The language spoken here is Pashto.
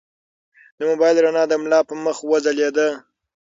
د موبایل رڼا د ملا په مخ وځلېده.